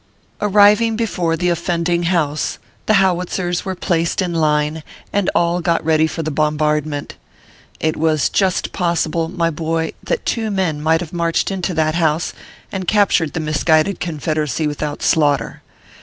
272 ORPHEUS C. KERR PAPERS. Arriving before the offending house, the howitzers were placed in line, and all got ready for the bom bardment. It was just possible, my boy, that two men might have marched into that house, and cap tured the misguided Confederacy without slaughter.